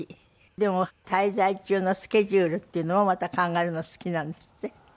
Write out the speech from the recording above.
でも滞在中のスケジュールっていうのもまた考えるの好きなんですって？